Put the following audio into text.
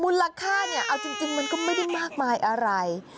มูลค่าเนี่ยเอาจริงมันก็ไม่ได้มากมายอะไร